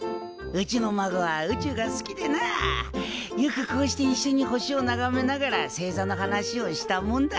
うちの孫は宇宙が好きでなあよくこうしていっしょに星をながめながら星座の話をしたもんだ。